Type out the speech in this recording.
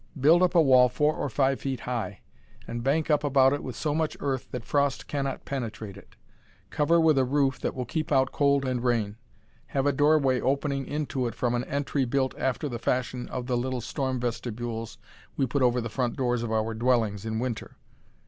Build up a wall four or five feet high, and bank up about it with so much earth that frost cannot penetrate it. Cover with a roof that will keep out cold and rain. Have a doorway opening into it from an entry built after the fashion of the little storm vestibules we put over the front doors of our dwellings in winter.